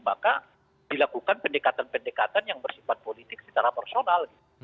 maka dilakukan pendekatan pendekatan yang bersifat politik secara personal